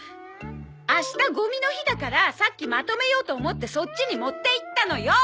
明日ゴミの日だからさっきまとめようと思ってそっちに持っていったのよ！